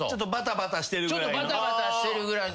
ちょっとバタバタしてるぐらい。